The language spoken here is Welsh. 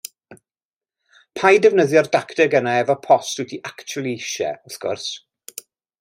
Paid defnyddio'r dacteg yna efo post wyt ti actiwali eisiau, wrth gwrs.